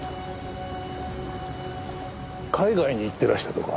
海外に行ってらしたとか。